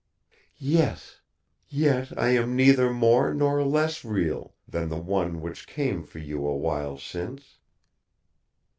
"Yes. Yet, I am neither more nor less real than the One which came for you a while since."